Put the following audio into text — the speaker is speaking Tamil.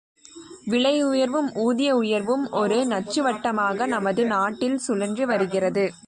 விலை உயர்வும் ஊதிய உயர்வும் ஒரு நச்சுவட்டமாக நமது நாட்டில் சுழன்று வருகிறது.